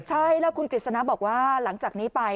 ใช่แล้วคุณกฤษณะบอกว่าหลังจากนี้ไป